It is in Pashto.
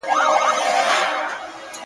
مور له خلکو شرم احساسوي او ځان پټوي,